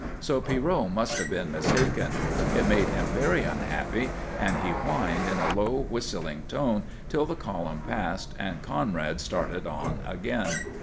So Pierrot must have been mistaken. It made him very unhappy, and he whined in a low, whistling tone till the column passed and Conrad started on again.